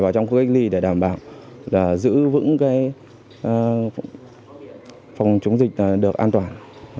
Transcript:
vào trong khu cách ly để đảm bảo giữ vững phòng chống dịch được an toàn